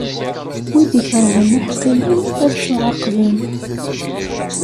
Wid ikerhen iḥeqqiyen, ad ttuɛaqben.